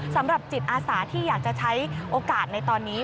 สำหรับจิตอาสาที่อยากจะใช้โอกาสในตอนนี้